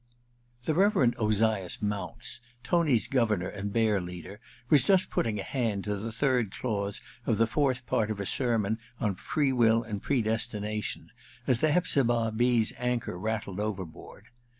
The Reverend Ozias Mounce, Tony*s governor and bear leader, was just putting a hand to the third clause of the fourth part of a sermon on Free Will and Predestination as the Hepzibah B.'s anchor rattled overboard.